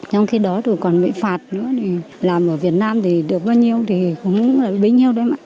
trong khi đó rồi còn bị phạt nữa thì làm ở việt nam thì được bao nhiêu thì cũng là bấy nhiêu đấy ạ